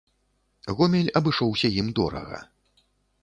Гомель абышоўся ім дорага.